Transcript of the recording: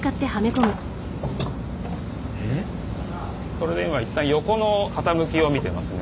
これで今一旦横の傾きを見てますね。